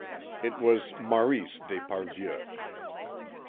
It was Maurice d'Esparvieu.